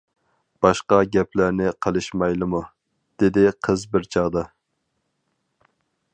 — باشقا گەپلەرنى قىلىشمايلىمۇ؟ — دېدى قىز بىر چاغدا.